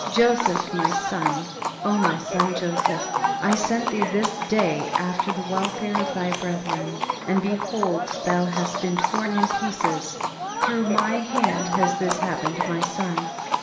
Joseph my son, O my son Jo seph, I sent thee this day after the welfare of thy brethren, and behold thou hast been torn in pieces ; through my hand has this happened to my son.